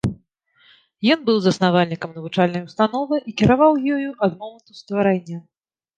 Ён быў заснавальнікам навучальнай установы і кіраваў ёю ад моманту стварэння.